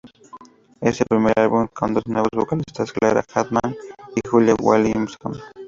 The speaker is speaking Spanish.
Es el primer álbum con dos nuevos vocalistas: Clara Hagman y Julia Williamson.